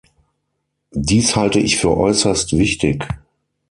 Dies halte ich für äußerst wichtig.